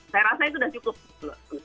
saya rasa itu sudah cukup